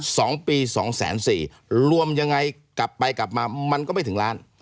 สองปีสองแสนสี่รวมยังไงกลับไปกลับมามันก็ไม่ถึงล้าน